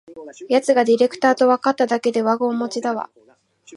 やつがディレクターとわかっただけでワゴン待ちだわ